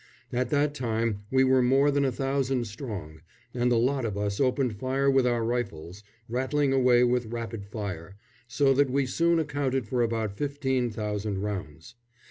At that time we were more than a thousand strong, and the lot of us opened fire with our rifles, rattling away with rapid fire, so that we soon accounted for about fifteen thousand rounds.